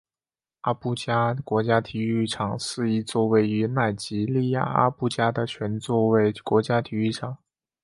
阿布加国家体育场是一座位于奈及利亚阿布加的全座位国家体育场。